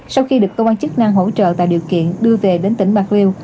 sau khi được công an chức năng hỗ trợ tạo điều kiện đưa về đến tỉnh bạc liêu